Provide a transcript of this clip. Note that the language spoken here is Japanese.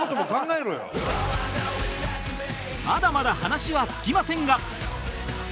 まだまだ話は尽きませんが